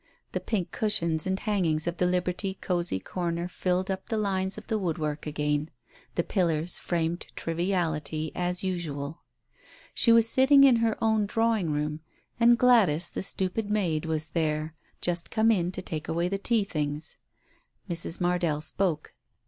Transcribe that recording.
The pink cushions and hangings of the Liberty cosy corner filled up the lines of the woodwork again. The pillars framed triviality as usual. She was sitting in her own drawing room, and Gladys the stupid maid, was there — just come in to take away the tea things. Mrs. Mardell spoke.